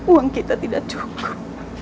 uang kita tidak cukup